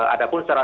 ada pun secara